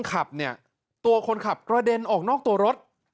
ขับเนี่ยตัวคนขับกระเด็นออกนอกตัวรถ